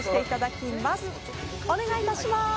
お願いいたします！